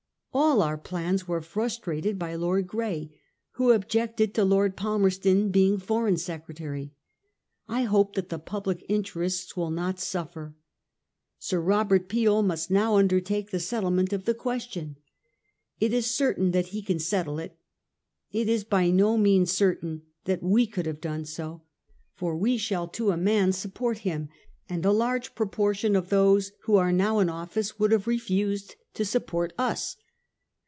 'All our plans were frustrated by Lord Grey, who objected to Lord Palmerston being Foreign Secretary. I hope that the public interests will not suffer. Sir Robert Peel must now undertake the settlement of the question. It is certain that he can settle it. It is by no means certain that we could have done so. For we shall to a man support him ; and a large proportion of those who are now in office would have refused to support us.